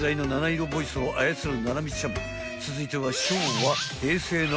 ［続いては］